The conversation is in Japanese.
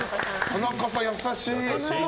田中さん、優しい。